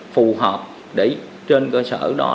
phù hợp để trên cơ sở đó